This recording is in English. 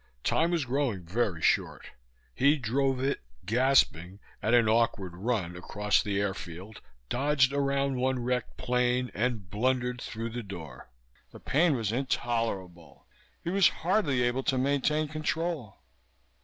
Time was growing very short. He drove it gasping at an awkward run across the airfield, dodged around one wrecked plane and blundered through the door. The pain was intolerable. He was hardly able to maintain control.